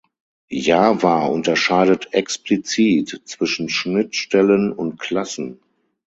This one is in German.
Java unterscheidet explizit zwischen Schnittstellen und Klassen.